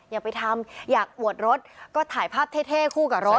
อย่าไปทำอยากอวดรถก็ถ่ายภาพเท่คู่กับรถ